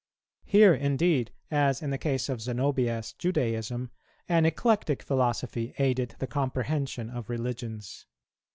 Here indeed, as in the case of Zenobia's Judaism, an eclectic philosophy aided the comprehension of religions.